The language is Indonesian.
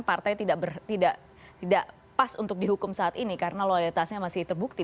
partai tidak pas untuk dihukum saat ini karena loyalitasnya masih terbukti